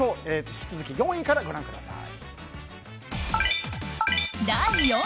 引き続き４位からご覧ください。